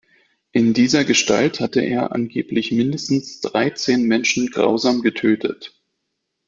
In dieser Gestalt hatte er angeblich mindestens dreizehn Menschen grausam getötet.